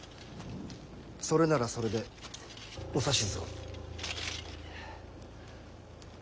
それならそれでお指図を。